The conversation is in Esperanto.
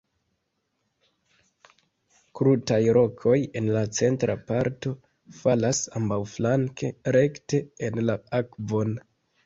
Krutaj rokoj en la centra parto falas ambaŭflanke rekte en la akvon.